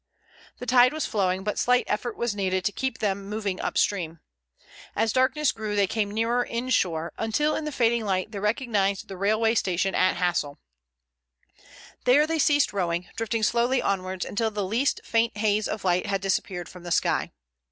The tide was flowing, and but slight effort was needed to keep them moving up stream. As darkness grew they came nearer inshore, until in the fading light they recognized the railway station at Hassle. There they ceased rowing, drifting slowly onwards until the last faint haze of light had disappeared from the sky.